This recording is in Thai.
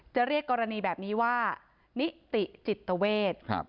เรียกกรณีแบบนี้ว่านิติจิตเวท